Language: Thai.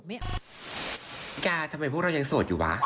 แกทำไมพวกเรายังโสดอยู่วะ